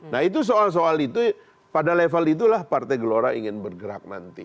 nah itu soal soal itu pada level itulah partai gelora ingin bergerak nanti